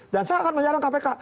dan saya akan menjalankan kpk